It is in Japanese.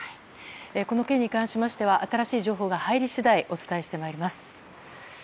この件に関しましては新しい情報が入り次第お伝えしてまいります。